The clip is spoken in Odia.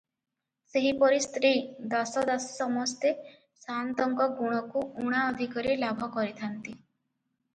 ସେହିପରି ସ୍ତ୍ରୀ, ଦାସ ଦାସୀ ସମସ୍ତେ ସାଆନ୍ତଙ୍କ ଗୁଣକୁ ଉଣା ଅଧିକରେ ଲାଭ କରିଥାନ୍ତି ।